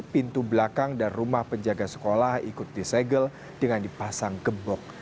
pintu belakang dan rumah penjaga sekolah ikut disegel dengan dipasang gebok